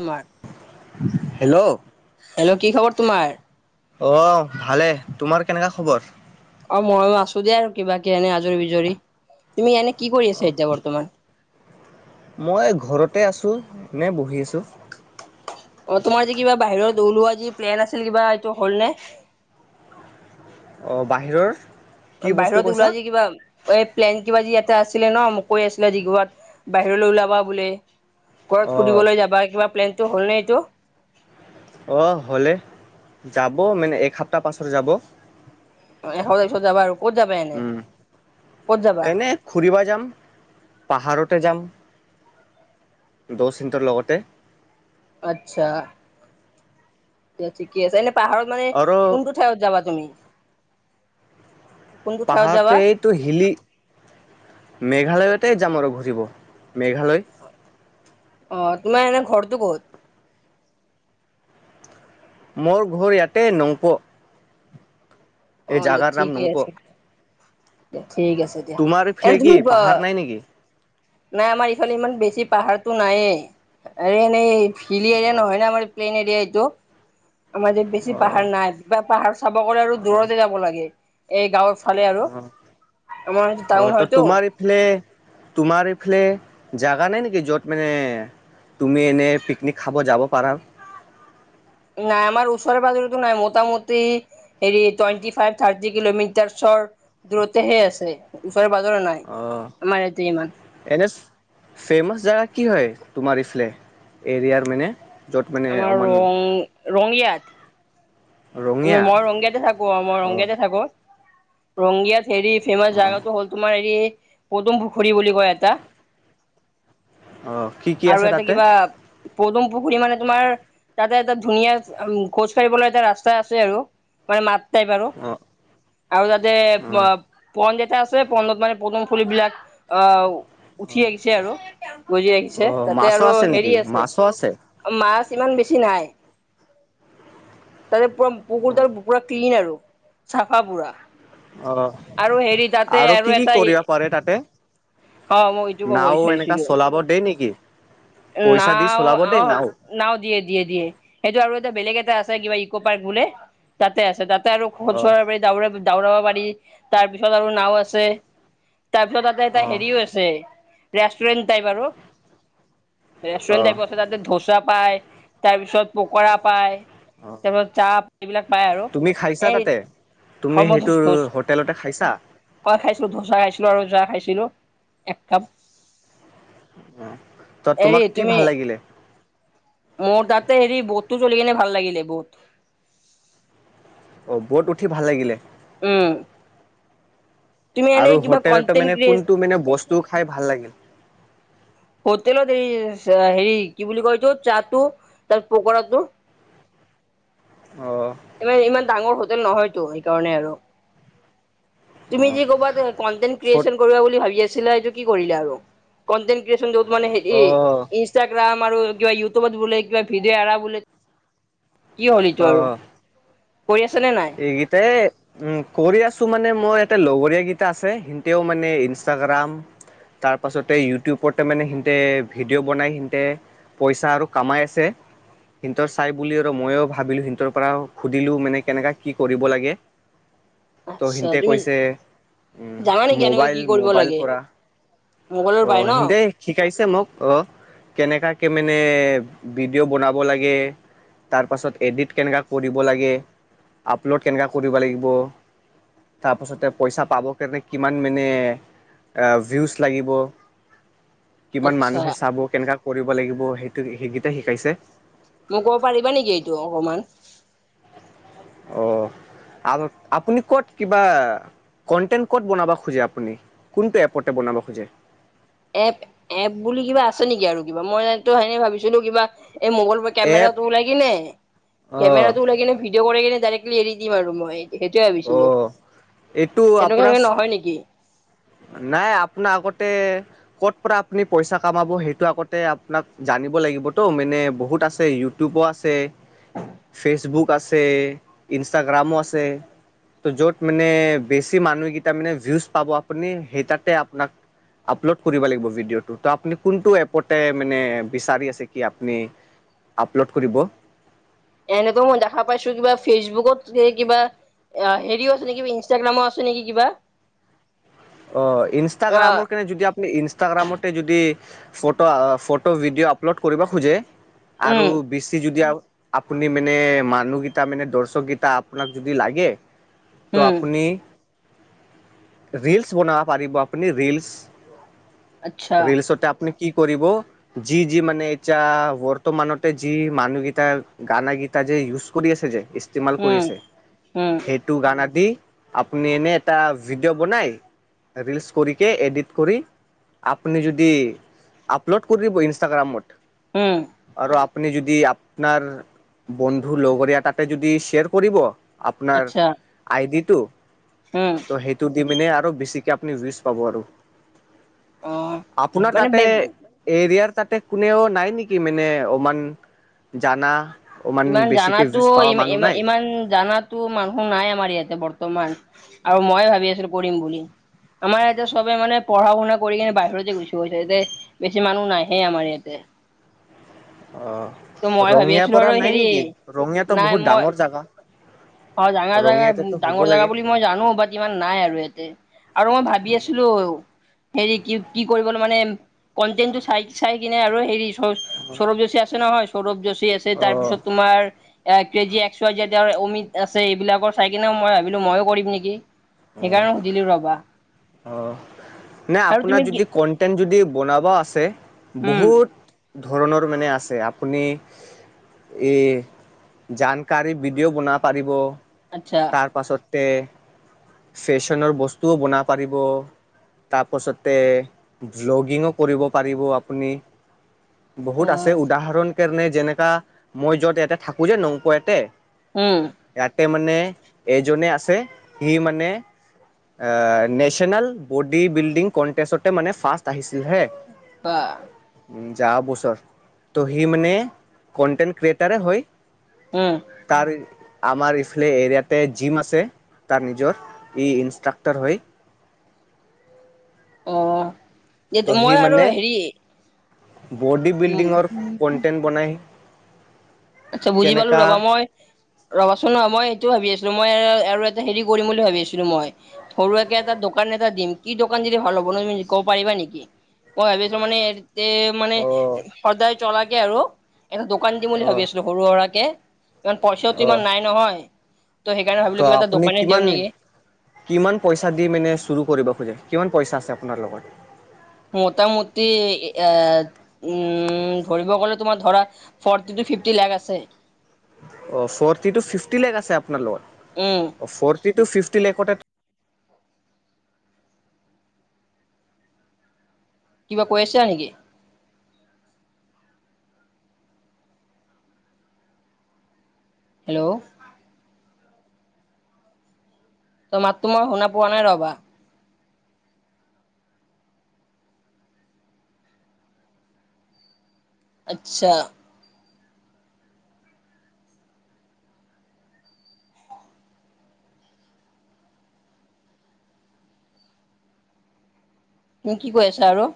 তোমাৰ hello hello কি খবৰ তোমাৰ? অ' ভালে তোমাৰ কেনেকুৱা খবৰ অ', মইো আছোঁ দিয়া আৰু কিবাকে, এনেই আজৰি পিজৰি। তুমি এনে কি কৰি আছা এতিয়া বৰ্তমান। মই ঘৰতে আছোঁ, ইনেই বহি আছোঁ। অ', তোমাৰ যে কিবা বাহিৰত ওলোৱা যি প্লেন আছিল কিবা এইটো হ'ল নে। অ', বাহিৰৰ। কি বস্তু বাহিৰত ওলোৱা কৈছা যে কিবা- এই প্লেন কিবা যি এটা আছিলে ন, মোক কৈ আছিলা গোৱাত, বাহিৰলৈ ওলাবা বুলি। ঘৰত অ' সুধিবলৈ যাবা, কিবা প্লেনটো হ'ল নে এইটো। অ', হ'লে, যাব মানে এক সপ্তাহ পাছত যাব। এসপ্তাহৰ কাৰণে যাবা আৰু ক'ত যাবা এনে, ক'ত যাবা? ফুৰিব যাম, পাহাৰতে যাম দোছ হতঁৰ লগতে। আচ্ছা এয়া ঠিকে আছে এনে পাহাৰত মানে আৰু কোনটো ঠাইত যাবা তুমি কোনটো ঠাইত যাবা পাহাৰতেই এইটো হিলী মেঘালয়তে যাম আৰু ঘূৰিব মেঘালয় অ' তোমাৰ এনে ঘৰটো ক'ত মোৰ ঘৰ ইয়াতে নংপু অ দিয়া নাম ঠিকে নংপ। আছে দিয়া ঠিক আছে দিয়া তোমাৰ এ এইফালে কি তুমি পাহাৰ নাই নেকি? নাই আমাৰ ইফালে ইমান বেছি পাহাৰতটো নাই এ এনেই হিলি এৰিয়া নহয় ন আমাৰ এই প্লেইন এৰিয়া এইটো আমাৰ ই বেছি অ' পাহাৰ নাই পাহাৰ চাব গলে আৰু দূৰতে যাব লাগে এই গাঁৱৰ ফালে আৰু অ' আমাৰ অ', টাউন ত' হয়তো তোমাৰ ইফালে তোমাৰ এইফালে জাগা নাই নেকি য'ত মানে তুমি এনেই পিকনিক খাব যাব পাৰা নাই আমাৰ ওচৰে পাজৰেতো নাই মোটামটি হেৰি টুৱেণ্টি ফাইভ থাৰ্টি কিলোমিটাৰ চৰ দূৰতেহে আছে ওচৰে পাজৰে নাই অঁ আমাৰ ইয়াতে ইমান এনে ফেমাচ জেগা কি হয় তোমাৰ এইফালে এৰিয়াৰ মানে য'ত মানে আমাৰ অমান ৰং ৰঙিয়াত ৰঙীয়া মই ৰংগিয়তে থাকো অ মই ৰংগিয়তে থাকো ৰংগিয়াত হেৰি ফেমাচ অ', জাগাটো হ'ল তোমাৰ হেৰি পদুম পুখুৰী বুলি কয় এটা অ', কি কি আছে আৰু এটা তাতে? কিবা পদুম পুখুৰী মানে তোমাৰ তাতে এটা ধুনীয়া খোজ ফৰিবলৈ এটা ৰাস্তা আছে আৰু মানে মাত যাই ব আৰু অ', আৰু তাতে অ পন এটা আছে পনডত মানে পটম ফুলিবলাক আহ উঠি আহখিছে আৰু গজি ৰাখিছে অ', তাতে মাছো আৰু আছে নেকি? হেৰি আছে মাছো অ মাছ ইমান বেছি নাই তাৰেতে পুৰা পুকুৰ তাৰ পুৰা ক্লিন আৰু চাফা পুৰা অ', আৰু হেৰি তাতে আৰু কি কি এটা কৰিব পাৰে তাতে? অ মই এইটো কব নাও এনেকা বিচাৰিছিলো চলাব দেই নেকি? পইচা না দি চলাব দেই আহ নাও দিয়ে দিয়ে দিয়ে সেইটো আৰু এটা বেলেগ এটা আছে কিবা ইক' পাৰ্ক বোলে তাতে আছে তাত আৰু খ অ', চৰা পাৰি দাৰা দাৰাব পাৰি তাৰ পিছত আৰু নাও আছে তাৰপিছত ততে এটা অ', হেৰিও আছে ৰেষ্টুৰেন্ট টাইপ আৰু ৰেষ্টুৰেণ্ট অ'। টাইপ আছে তাতে ধোচা পায় তাৰ পিছত পকৰা পায় তাৰপিছত চাহ এইবিলাক পায় আৰু তুমি খাইছা এই তাতে তুমি সেইটো সমোোজ হোটেলতে খাইছা কই খাইছিলো ধোচা খাইছিলো আৰু যাহ খাইছিলো এক কাপ অ ত হেৰি তোমাক কি তুমি ভাল লাগিলে মোৰ তাতে হেৰি বুধতটো চলি কিনে ভাল লাগিলে বুত অ' বত উঠি ভাল লাগিলে উম তুমি এনে আৰু কিবা হোটেলতো কন্টেন্ট মানে ক্ৰিয়েট কোনটো মানে বস্তু খাই ভাল লাগিল হোটেলত এই হেৰি কি বুলি কয়ছো চাহটো তাৰ পকৰাটো অ ইমান ডাঙৰ হোটেল নহয়তো সকাৰণে আৰু তুমি যি কৰ'বাত কনটেন্ট ফ ক্ৰিয়েচন কৰিব বুলি ভাবি আছিলা এইটো কি কৰিলে আৰু কনটেন্ট ক্ৰিয়েচন যত মানে অ ইনষ্টাগ্ৰাম আৰু কিবা ইউটিউবত বোলে কিবা ভিডিঅ' এৰা বোলে কি হ'ল এইটো আৰু কৰি আছে নে নাই এইগতে উ কৰি আছো মানে মোৰ এটা লগৰীয়া কেইটা আছে সও মানে ইনষ্টাগ্ৰাম তাৰপাছতে ইউটিউবতে মানে সিহতে ভিডিঅ' বনাই সিতে পইচা আৰু কামাই আছে সিহঁতৰ চাই বুলি আৰু ময়ো ভাবিলো সিহৰ পৰা সুধিলো মানে কেনেকা কি কৰিব লাগে। ত' আচ্ছা সিহতে তুমি কৈছে জানা নেকি মোবাইল মোবাইল পৰা মোবাইলৰ অ' বাই ন। সিহঁতে শিকাইছে মোক অ কেনেকাকে মানে ভিডিঅ' বনাব লাগে তাৰপাছত এডিট কেনেকা কৰিব লাগে। আপলোড কেনেকা কৰিব লাগিব। তাৰপাছতে পইচা পাব কাৰণে কিমান মানে ভিউজ লাগিব। কিমান আচ্ছা মানুহে চাব কেনেকা কৰিব লাগিব সেইটো সেইকেইটাই শিকাইছে। মোক ক'ব পাৰিবা নেকি এইটো অকমান। অ', আৰু আপুনি ক'ত কিবা কণ্টেণ্ট ক'ত বনাব খোজে আপুনি কোনটো এপতে বনাব খোজে এপ এপ বুলি কিবা আছে নেকি আৰু কিবা মইো সেনে ভাবিছিলো কিবা এই মোগল এপ কেমেৰাটো ওলাই কিনে অ'। কেমেৰাটো ওলাই কিনে ভিডিঅ' কৰি কিনে ডাইৰেক্টলি এৰি দিম আৰু মই সেইটোৱে ভাবিছিলো অ', এইটো আপোনাক তেনেকুৱা নহয় নেকি। নাই আপোনাৰ আগতেই ক'ত পৰা আপুনি পইচা কামাব সেইটো আগতে আপোনাক জানিব লাগিবত মানে বহুত আছে ইউটিউবো আছে ফেচবুক আছে ইনষ্টাগ্ৰামো আছে ত' য'ত মানে বেছি মানুহকেইটা মানে ভিউজ পাব আপুনি সেই তাতে আপোনা আপলোড কৰিব লাগিব ভিডিঅ'টো ত আপনি কোনটো এপতে মানে বিচাৰি আছে কি আপনি আপলোড কৰিব এনেটো মই দেখা পাইছো কিবা ফেচবুকত স কিবা অ', হেৰিও আছে নিবা ইনষ্টাগ্ৰামৰ আছে নেকি কিবা অ', অ ইনষ্টাগ্ৰামৰ কেনে যদি ইনষ্টাগ্ৰামতে যদি ফটো ফটো ভিডিঅ' আপলোড কৰিব খোজে আৰু উম বেছি যদি আপুনি মানে মানুহকেইটা মানে দৰ্শক গিটা আপোনাক যদি লাগে তো উম আপুনি ৰিল বনাব পাৰিব আপুনি ৰীলচচ আচ্ছা ৰীলচতে আপুনি কি কৰিব যি, যি মানে এতিয়া বৰ্তমানতে যি মানুহগিতা গানা গীতা যে ইউজ কৰি আছে যে ই্তেমাল উম কৰিছে উম সেইটো গান আদি আপুনি এনে এটা ভিডিঅ' বনাই ৰৰিলচ কৰিকে এডিট কৰি আপনি যদি আপলোড কৰি দিব ইনষ্টাগ্ৰামত উম। আৰু আপুনি যদি আপোনাৰ বন্ধু লগৰীয়াটাতে যদি শ্বেয়াৰ কৰিব আপোনাৰ আচ্ছা আইডিটো উম। সেইটো দি মিনে আৰু বেছিকে আপুনি ভিউজ পাব আৰু অ আপোনাৰ মানে তাতে বে এৰিয়াৰ তাতে কোনেও নাই নেকি মানে অমান জানা অমান ইমান বেছিকে জানাতো ভিউজ পোৱা ইমান ই মানুহ নাই ইমান জাত তো মানুহ নাই আমাৰ ইয়াতে বৰ্তমান আৰু মই ভাবি আছিলো কৰিম বুলি। আমাৰ এতিয়া চবে মানে পঢ়া শুনা কৰি কিনে বাহিৰৰতে গুচি গৈছে এয়া বেছি মানুহ নাহে আমাৰ ইয়াতে ত' অ', মই ভাবি ৰঙিয়াৰ আছিলো পৰা আৰু নাই হেৰি নেকি ৰঙিয়াতো নাই বহুত মই ডাঙৰ জাগা। অ ডাঙৰ জেগা ৰঙীয়াতো হ'ব ডাঙৰ জেগা লাগে। বুলি মই জানো বাত ইমান নাই আৰু ইয়াতে আৰু মই ভাবি আছিলো হেৰি কি কি কৰিব মানে কনন্টেনটটো চাই চাই কিনে আৰু হেৰি সৌৰভ যোশী আছে নহয় সৌৰভ যোশী আছে অ', তাৰপিছত তোমাৰ এক কেজি একচ চাইজৰ অমিত আছে এইবিলাকৰ চাই কিনে মই ভাবিলো ময়ো কৰিম নেকি? সেইকাৰণে সুধিলো ৰ'বা। অ' নে আৰু আপোনাৰ তুমি কি যদি কন্টেন্ট যদি বনাব আছে, উম বহুত ধৰণৰ মানে আছে। আপুনি এই জানকাৰী ভিডিঅ' বনাব পাৰিব আচ্ছা। তাৰ পাছতে ফেশ্বনৰ বস্তুও বনাব পাৰিব তাৰপাছতে ভ্লগিঙো কৰিব পাৰিব আপুনি অ বহুত আছে উদাহৰণ কাৰনে যেনেকা মই যত ইয়াতে থাকো যে নংকুয়াতে উম। ইয়াতে মানে এজনে আছে সি মানে নেশ্যনেল বডি বিল্ডিং কনটেষ্টতে মানে ফাৰ্ষ্ট আহিছিল হে' ত' যোৱা বছৰ তো সি মানে কনটেণ্ট ক্ৰিয়েটাৰে হৈ উম। তাৰ আমাৰ ইফালে এৰিয়াত তে জিম আছে তাৰ নিজৰ ই ইনষ্ট্ৰাক্টৰ হৈ অ' তেনেকুৱা আৰু হেৰি বড উম বিল্ডিঙৰ কন্টেণ্ট বনাই। আচ্ছা বুজি পালো কেনেকা ৰ'বা মই ৰ'বাচোন নহয় মই সেইটোও ভাবি আছিলো মই আৰু এটা হেৰি কৰিম বুলি ভাবি আছিলো মই। সৰু সুৰাকে এটা দোকান এটা দিম, কি দোকান দিলে ভাল হ'ব ন তুমি কব পাৰিবা নেকি? মই ভাবি আছো মানে এতে মানে অ' সদায় চলাকে আৰু এটা দোকান দিম বুলি ভাবি অ' আছো। সৰু সুৰাকে ইমান পইচাটো ইমান অ' নাই নহয়। ত' সেইকাৰণে ভাবিলো কিবা এটা আপুনি দোকানে দিওঁ কিমান নেকি? কিমান পইচা দি মানে চুৰু কৰিব খোজে, কিমান পইচা আছে আপোনাৰ লগত? মোটামোটি এ উম ধৰিব গ'লে তোমাৰ ধৰা ফৰ্টি টু ফিফটি লেখ আছে। অ' ফৰ্টি টু ফিফটি লেখ আছে আপোনাৰ লগত? উম। ফ'ৰ্টি টু ফিফটি লেখত কিবা কৈ আছা নেকি? হেল্ল'? তই মাতো মই শুনা পোৱা নাই ৰ'বা? আচ্ছা। মোক কি কৈ আছা আৰু?